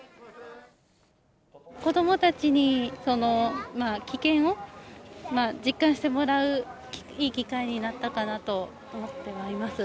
子どもたちに危険を実感してもらう、いい機会になったかなと思ってはいます。